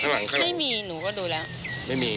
ไม่มีหนูก็รู้แล้ว